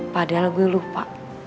padahal gue lupa